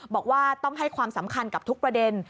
บอกว่าต้องให้ความสำคัญกับทุกประเด็น